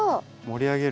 盛り上げる。